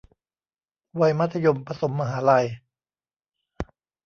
วัยมัธยมผสมมหาลัย